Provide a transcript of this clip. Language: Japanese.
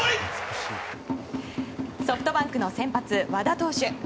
ソフトバンクの先発、和田投手。